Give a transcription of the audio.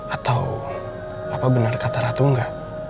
atau apa benar kata ratu enggak